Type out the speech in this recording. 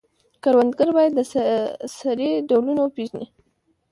کروندګر باید د سرې ډولونه وپیژني.